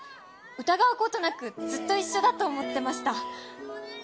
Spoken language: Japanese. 疑うことなくずっと一緒だと思ってました。